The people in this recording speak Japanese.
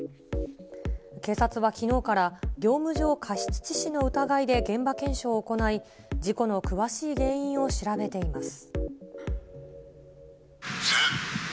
警察はきのうから業務上過失致死の疑いで現場検証を行い、事故の詳しい原因を調べています。